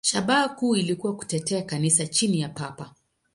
Shabaha kuu ilikuwa kutetea Kanisa chini ya Papa.